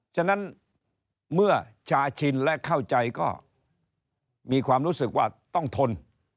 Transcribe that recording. ฉะนั้นเมื่อชาชินและเข้าใจก็มีความรู้สึกว่าต้องทน